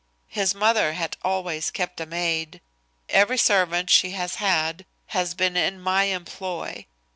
His mother had always kept a maid. Every servant she has had has been in my employ.